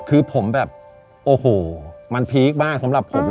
คือผมแบบโอ้โหมันพีคมากสำหรับผม